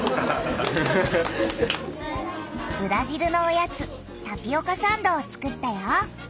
ブラジルのおやつタピオカサンドを作ったよ。